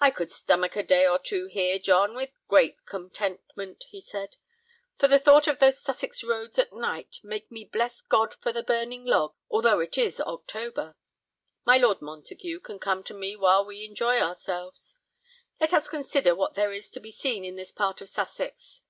"I could stomach a day or two here, John, with great contentment," he said; "for the thought of those Sussex roads at night make me bless God for the burning logs, although it is October. My Lord Montague can come to me while we enjoy ourselves. Let us consider what there is to be seen in this part of Sussex.